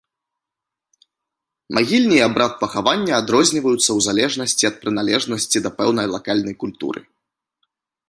Магільні і абрад пахавання адрозніваюцца ў залежнасці ад прыналежнасці да пэўнай лакальнай культуры.